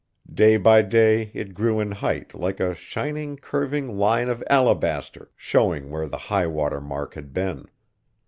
Day by day it grew in height like a shining, curving line of alabaster, showing where the high water mark had been.